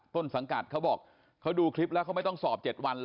ต้นสังกัดเขาบอกเขาดูคลิปแล้วเขาไม่ต้องสอบ๗วันเลย